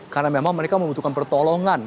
karena memang mereka membutuhkan pertolongan